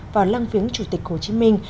vào lăng viếng chủ tịch hồ chí minh